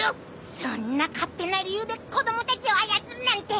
そんな勝手な理由で子どもたちを操るなんて！